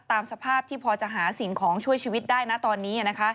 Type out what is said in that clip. ตามสภาพที่พอจะหาสิ่งของช่วยชีวิตได้นะตอนนี้